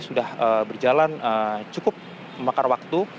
sudah berjalan cukup memakan waktu